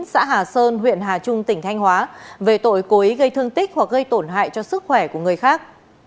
xã hà sơn huyện hà trung tỉnh thanh hóa về tội cố ý gây thương tích hoặc gây tổn hại cho sức khỏe của người khác